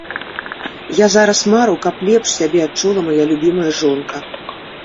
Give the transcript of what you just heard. Я зараз мару, каб лепш сябе адчула мая любімая жонка.